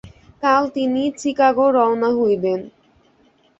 কাল তিনি চিকাগো রওনা হইবেন।